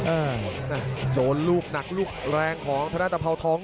อ่าโจรลูกหนักรูปแรงของทะดานทะพร้อมทอง